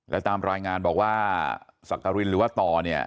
และตามรายงานบอกว่าสักกรินหรือว่าต่อเนี่ย